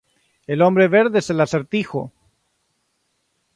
El hombre verde es el Acertijo.